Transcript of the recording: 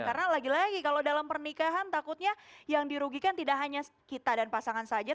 karena lagi lagi kalau dalam pernikahan takutnya yang dirugikan tidak hanya kita dan pasangan saja